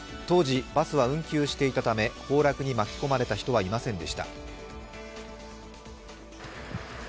当時、バスは運休していたため、崩落に巻き込まれた人はいませんでした。